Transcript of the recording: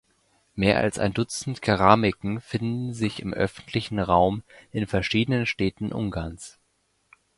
Mehr als ein Dutzend Keramiken finden sich im öffentlichen Raum in verschiedenen Städten Ungarns.